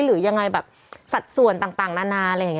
หรือยังไงแบบสัดส่วนต่างนานา